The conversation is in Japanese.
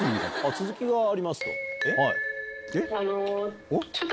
「続きがあります」と。